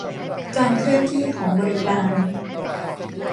การเคลื่อนที่ของบริการ